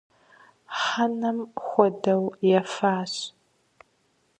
Хьэнэм хуэдэу ефащ.